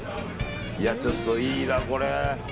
ちょっといいな、これ。